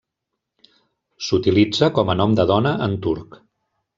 S'utilitza com a nom de dona en turc.